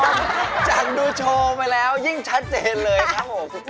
จากดูโชว์ไปแล้วยิ่งชัดเจนเลยครับผม